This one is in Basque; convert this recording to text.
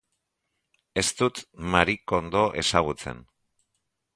Ez dut Marie Kondo ezagutzen.